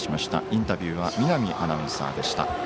インタビューは見浪アナウンサーでした。